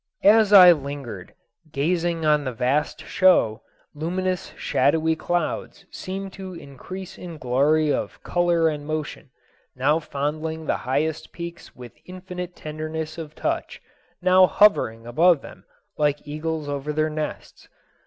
As I lingered, gazing on the vast show, luminous shadowy clouds seemed to increase in glory of color and motion, now fondling the highest peaks with infinite tenderness of touch, now hovering above them like eagles over their nests.